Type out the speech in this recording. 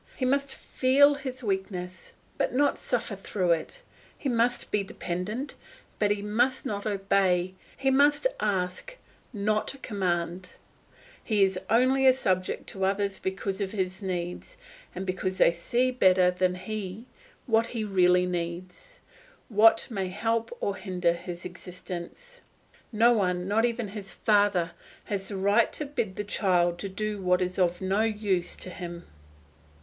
He must feel his weakness, but not suffer through it; he must be dependent, but he must not obey; he must ask, not command. He is only subject to others because of his needs, and because they see better than he what he really needs, what may help or hinder his existence. No one, not even his father, has the right to bid the child do what is of no use to him.